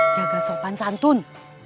jaga sopan santun